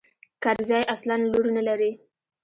کرزى اصلاً لور نه لري.